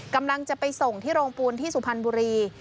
กำลังจะไปส่งที่โรงปูนที่สุพรรณบุรี